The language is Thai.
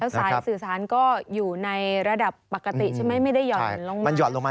แล้วสายสื่อสารก็อยู่ในระดับปกติใช่ไหมไม่ได้หย่อนลงมา